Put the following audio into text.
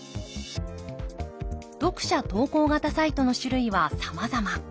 読者投稿型サイトの種類はさまざま。